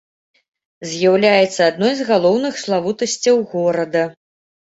З'яўляецца адной з галоўных славутасцяў горада.